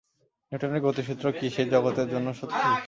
নিউটনের গতিসূত্র কি সেই জগতের জন্যেও সত্যি?